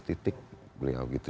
berapa belas titik